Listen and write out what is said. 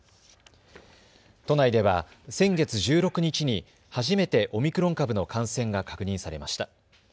都内では先月１６日に初めてオミクロン株の感染が確認されました。